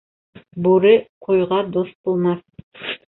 Бүре ҡуйға дуҫ булмаҫ.